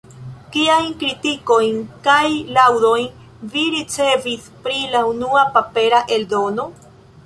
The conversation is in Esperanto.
Kiajn kritikojn kaj laŭdojn vi ricevis pri la unua papera eldono?